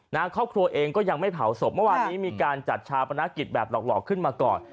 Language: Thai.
ครอบครัวเองก็ยังไม่เผาศพเมื่อวานนี้มีการจัดชาปนกิจแบบหลอกขึ้นมาก่อน